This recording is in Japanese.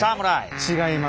違います。